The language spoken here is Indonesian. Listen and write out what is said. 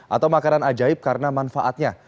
atau makanan ajaib karena manfaatnya